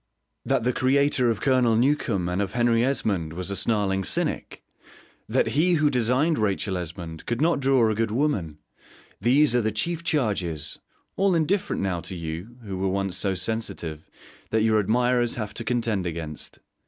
That the creator of Colonel Newcome and of Henry Esmond was a snarling cynic; that he who designed Rachel Esmond could not draw a good woman: these are the chief charges (all indifferent now to you, who were once so sensitive) that your admirers have to contend against.